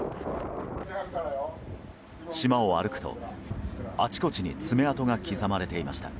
島を歩くと、あちこちに爪痕が刻まれていました。